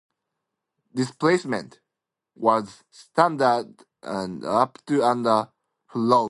Displacement was standard and up to under full load.